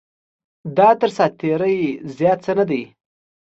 دا تر ساعت تېرۍ زیات څه نه دی.